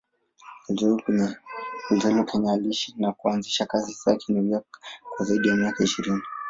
Alizaliwa Kenya, aliishi na kuanzisha kazi zake New York kwa zaidi ya miaka ishirini.